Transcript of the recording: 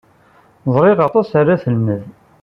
Ẓriɣ aṭas ara d-telmed.